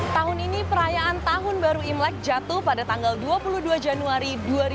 tahun ini perayaan tahun baru imlek jatuh pada tanggal dua puluh dua januari dua ribu dua puluh